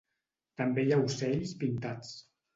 També hi ha ocells pintats.